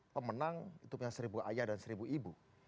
pemenang itu punya seribu ayah dan seribu ibu